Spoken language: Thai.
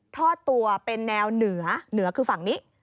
ทอดตัวเป็นแนวเหนือเหนือคือฝั่งนี้